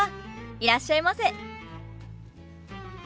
いらっしゃいませ。